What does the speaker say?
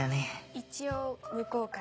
一応向こうから。